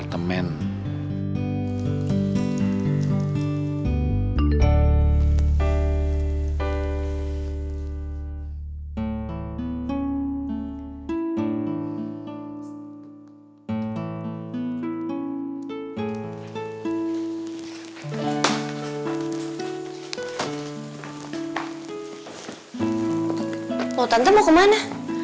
tante mau kemana